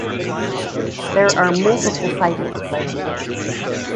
There were multiple sightings.